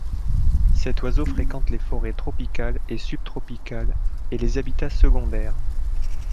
Cet oiseau fréquente les forêts tropicales et subtropicales et les habitats secondaires.